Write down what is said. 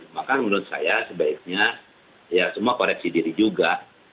maka menurut saya sebaiknya ya semua koreksi diri juga